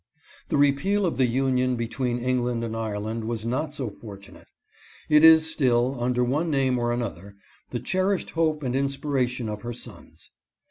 The repeal of the union between England and Ireland was not so fortunate. It is still, under one name or an other, the cherished hope and inspiration of her sons.